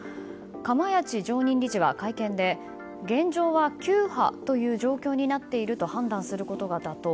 釜萢常任理事は会見で現状は９波という状況になっていると判断することが妥当。